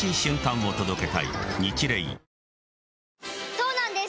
そうなんです